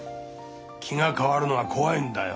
気が変わるのが怖いんだよ。